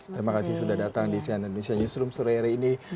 terima kasih sudah datang di sian indonesia newsroom sore hari ini